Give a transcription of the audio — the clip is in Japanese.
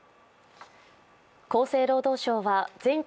厚生労働省は全国